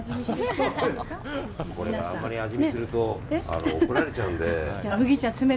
あんまり味見すると怒られちゃうんで。